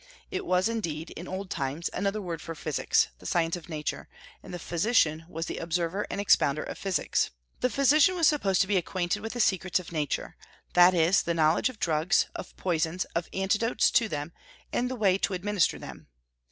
It was, indeed, in old times another word for physics, the science of Nature, and the physician was the observer and expounder of physics. The physician was supposed to be acquainted with the secrets of Nature, that is, the knowledge of drugs, of poisons, of antidotes to them, and the way to administer them.